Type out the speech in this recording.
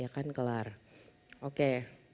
ya kan kelar oke